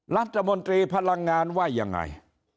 รัฐมนตรีพลังงานว่ายังไง